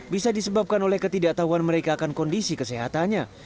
bisa disebabkan oleh ketidaktahuan mereka akan kondisi kesehatannya